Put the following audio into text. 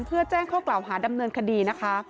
เพื่อแจ้งข้อกล่าวหาดำเนินคดีนะคะ